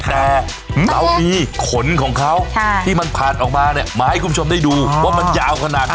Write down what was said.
แต่เรามีขนของเขาที่มันผ่านออกมาเนี่ยมาให้คุณผู้ชมได้ดูว่ามันยาวขนาดไหน